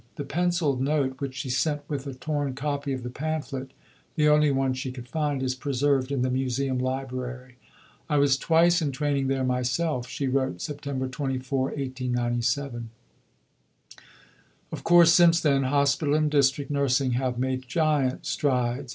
The pencilled note which she sent with a torn copy of the pamphlet, the only one she could find, is preserved in the Museum Library. "I was twice in training there myself," she wrote (September 24, 1897). "Of course since then, Hospital and District nursing have made giant strides.